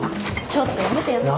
ちょっとやめてやめて。